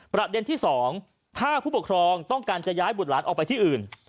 ประเด็นที่๒ถ้าผู้ปกครองต้องการจะย้ายบุตรหลานออกไปที่อื่น